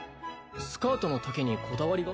スカートの丈にこだわりが？